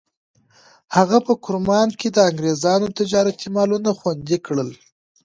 هغه په کرمان کې د انګریزانو تجارتي مالونه خوندي کړل.